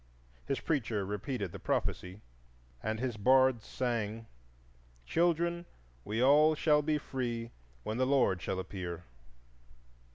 His preacher repeated the prophecy, and his bards sang,— "Children, we all shall be free When the Lord shall appear!"